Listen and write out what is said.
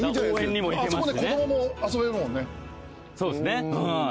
あそこ子供も遊べるもんね。